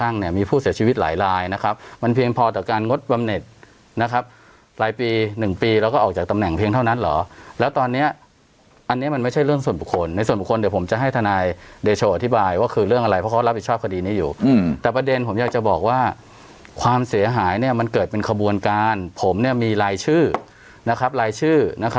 งดบำเน็ตนะครับรายปีหนึ่งปีแล้วก็ออกจากตำแหน่งเพียงเท่านั้นเหรอแล้วตอนเนี้ยอันเนี้ยมันไม่ใช่เรื่องส่วนบุคคลในส่วนบุคคลเดี๋ยวผมจะให้ทนายเดชโออธิบายว่าคือเรื่องอะไรเพราะเขารับผิดชอบคดีนี้อยู่อืมแต่ประเด็นผมอยากจะบอกว่าความเสียหายเนี้ยมันเกิดเป็นขบวนการผมเนี้ยมีลายชื่อนะครับลายชื่